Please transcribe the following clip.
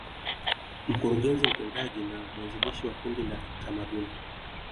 Mkurugenzi Mtendaji na mwanzilishi wa Kundi la kitamaduni